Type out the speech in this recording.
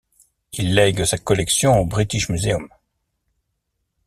Il lègue sa collection au British Museum.